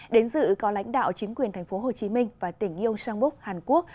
đến dự có lãnh đạo chính quyền tp hcm và tỉnh yon sangbuk hàn quốc